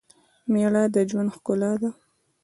مېړه دژوند ښکلا ده